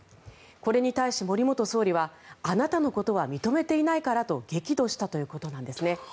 これに対し、森元総理はあなたのことは認めていないからと激怒したということです。